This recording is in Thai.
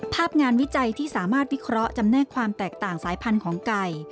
ภาพงานวิจัยที่สามารถวิเคราะห์จำแนกความแตกต่างสายพันธุ์ของไก่